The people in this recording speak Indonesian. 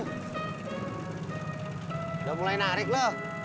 udah mulai narik lo